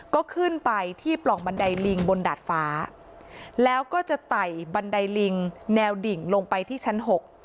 ก็ขึ้นไปที่ปล่องบันไดลิงบนดาดฟ้าแล้วก็จะไต่บันไดลิงแนวดิ่งลงไปที่ชั้นหก